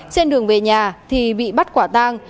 trên đường về nhà thì bị bắt quả tang